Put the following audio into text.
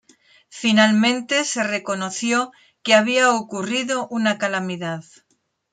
Finalmente se reconoció que había ocurrido una calamidad.